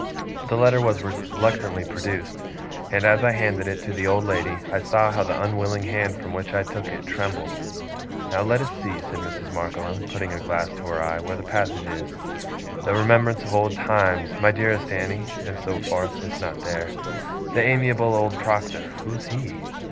The letter was reluctantly produced; and as I handed it to the old lady, I saw how the unwilling hand from which I took it, trembled. 'Now let us see,' said Mrs. Markleham, putting her glass to her eye, 'where the passage is. "The remembrance of old times, my dearest Annie" and so forth it's not there. "The amiable old Proctor" who's he?